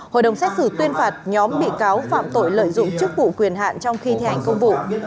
hội đồng xét xử tuyên phạt nhóm bị cáo phạm tội lợi dụng chức vụ quyền hạn trong khi thi hành công vụ